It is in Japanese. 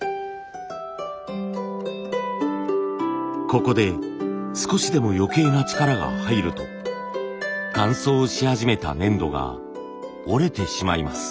ここで少しでも余計な力が入ると乾燥し始めた粘土が折れてしまいます。